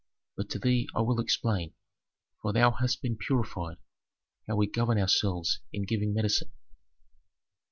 But to thee I will explain, for thou hast been purified, how we govern ourselves in giving medicine.